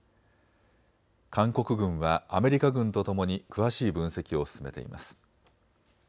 韓国軍はアメリカ軍とともに詳しい分析を進めています。